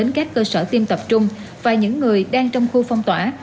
trong quá trình tiêm chủng các cơ sở tiêm tập trung và những người đang trong khu phong tỏa